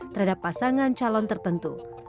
terhadap pasangan calon tertentu